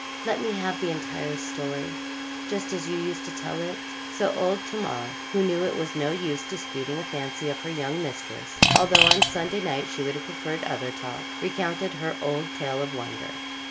Let me have the entire story, just as you used to tell it.' So old Tamar, who knew it was no use disputing a fancy of her young mistress, although on Sunday night she would have preferred other talk, recounted her old tale of wonder.